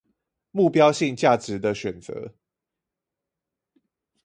目標性價值的選擇